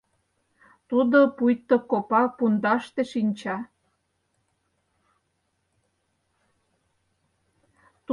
Тудо пуйто копа пундаште шинча.